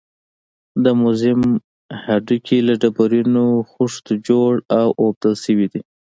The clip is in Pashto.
د موزیم هډوکي له ډبرینو خښتو جوړ او اوبدل شوي دي.